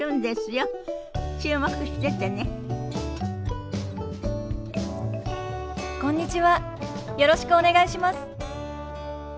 よろしくお願いします。